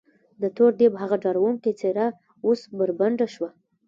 د تور دیب هغه ډارونکې څېره اوس بربنډه شوه.